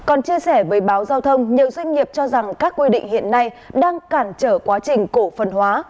còn chia sẻ với báo giao thông nhiều doanh nghiệp cho rằng các quy định hiện nay đang cản trở quá trình cổ phần hóa